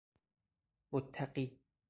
متقی